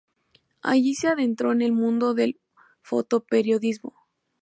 Allí se adentró en el mundo del fotoperiodismo.